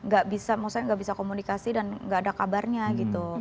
maksudnya enggak bisa komunikasi dan enggak ada kabarnya gitu